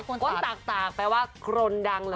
กวนตากแปลว่าโกนดังละกน